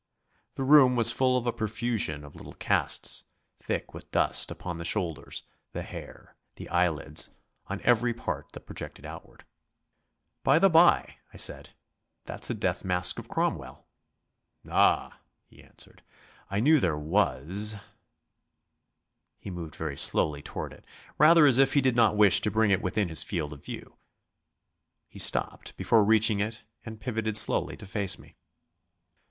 The room was full of a profusion of little casts, thick with dust upon the shoulders, the hair, the eyelids, on every part that projected outward. "By the bye," I said, "that's a death mask of Cromwell." "Ah!" he answered, "I knew there was...." He moved very slowly toward it, rather as if he did not wish to bring it within his field of view. He stopped before reaching it and pivotted slowly to face me.